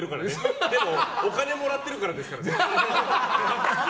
お金もらってるからですからね。